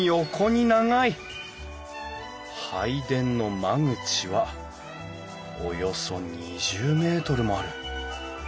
拝殿の間口はおよそ２０メートルもある。